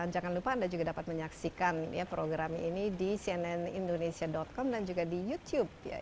jangan lupa anda juga dapat menyaksikan program ini di cnnindonesia com dan juga di youtube